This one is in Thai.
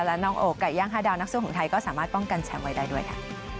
และน้องโอไก่ย่าง๕ดาวนักสู้ของไทยก็สามารถป้องกันแชมป์ไว้ได้ด้วยค่ะ